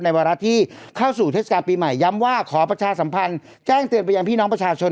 วาระที่เข้าสู่เทศกาลปีใหม่ย้ำว่าขอประชาสัมพันธ์แจ้งเตือนไปยังพี่น้องประชาชน